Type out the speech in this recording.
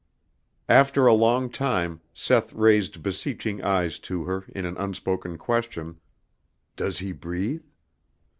After a long time Seth raised beseeching eyes to her in an unspoken question: "Does he breathe?"